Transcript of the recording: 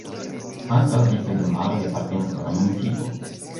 Ankaŭ disaj domaroj apartenas al la municipo.